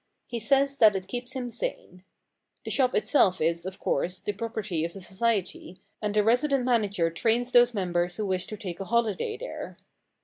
He says that it keeps him sane. The shop itself is, of course, the property of the society, and a resident manager trains those members who wish to take a holiday there.